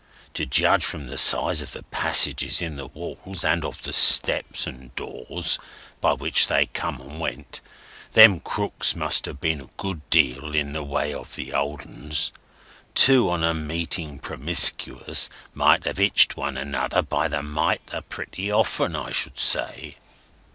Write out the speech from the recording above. To judge from the size of the passages in the walls, and of the steps and doors, by which they come and went, them crooks must have been a good deal in the way of the old 'uns! Two on 'em meeting promiscuous must have hitched one another by the mitre pretty often, I should say."